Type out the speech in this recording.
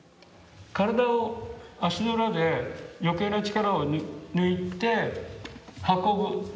身体を足の裏で余計な力を抜いて運ぶ。